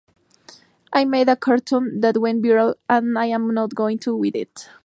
I made a cartoon that went viral and I am not going with it.